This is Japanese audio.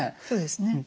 そうですね。